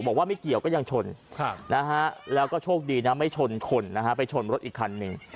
บอกว่าไม่เกี่ยวก็ยังชนแล้วก็โชคดีนะไม่ชนคนนะฮะไปชนรถอีกคันหนึ่ง